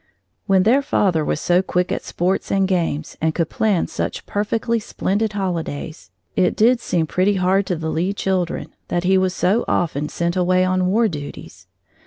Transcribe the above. When their father was so quick at sports and games and could plan such perfectly splendid holidays, it did seem pretty hard to the Lee children that he was so often sent away on war duties.